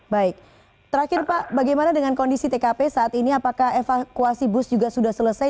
baik terakhir pak bagaimana dengan kondisi tkp saat ini apakah evakuasi bus juga sudah selesai